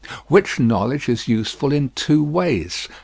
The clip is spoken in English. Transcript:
Which knowledge is useful in two ways.